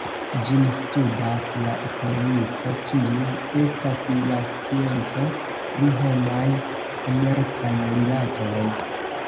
Ĝin studas la ekonomiko kiu estas la scienco pri homaj komercaj rilatoj.